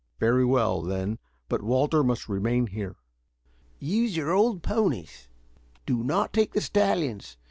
"Very well, then. But Walter must remain here." "Use your old ponies. Do not take the stallions," advised Parry.